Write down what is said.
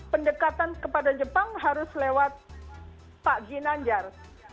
pendekatan kepada jepang harus lewat pak jinanjar